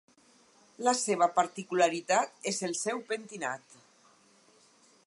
La seva particularitat és el seu pentinat.